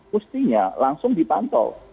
mestinya langsung dipantau